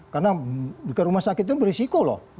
karena ke rumah sakit itu berisiko loh